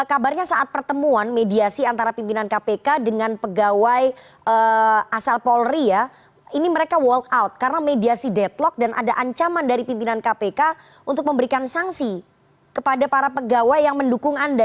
kabarnya saat pertemuan mediasi antara pimpinan kpk dengan pegawai asal polri ya ini mereka walk out karena mediasi deadlock dan ada ancaman dari pimpinan kpk untuk memberikan sanksi kepada para pegawai yang mendukung anda